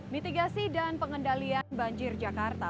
mitigasi dan pengendalian banjir jakarta